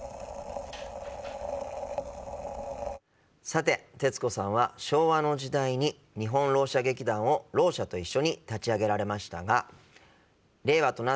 さて徹子さんは昭和の時代に日本ろう者劇団をろう者と一緒に立ち上げられましたが令和となった